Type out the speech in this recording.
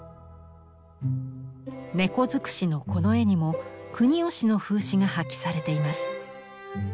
猫づくしのこの絵にも国芳の風刺が発揮されています。